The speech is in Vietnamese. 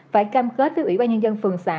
phải cam kết với ủy ban nhân dân phường xã